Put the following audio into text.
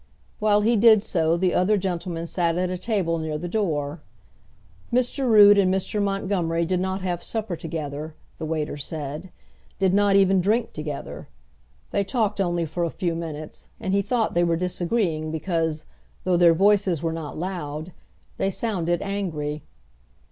While he did so the other gentleman sat at a table near the door. Mr. Rood and Mr. Montgomery did not have supper together, the waiter said; did not even drink together. They talked only for a few minutes, and he thought they were disagreeing because, though their voices were not loud, they sounded angry.